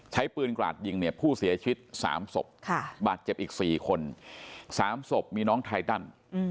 ใช้ปืนกราดยิงเนี่ยผู้เสียชีวิต๓ศพบาดเจ็บอีก๔คน๓ศพมีน้องไทตัน